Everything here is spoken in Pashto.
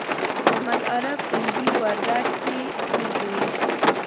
محمد عارف تنگي وردک کې ژوند کوي